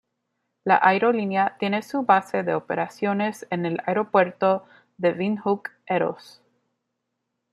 La aerolínea tiene su base de operaciones en el Aeropuerto de Windhoek Eros.